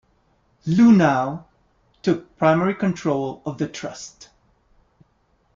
Luhnow took primary control of the trust.